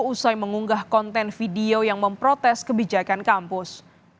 usai mengunggah konten video yang memprotes kebijakan kampus